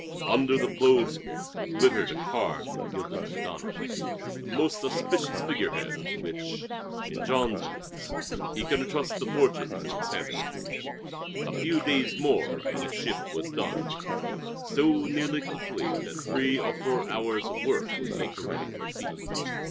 Under the bowsprit glittered a carved and gilded Madonna, the most auspicious figurehead to which, in Jean's eyes, he could intrust the fortunes of his handiwork. A few days more and the ship was done so nearly complete that three or four hours of work would make her ready for sea.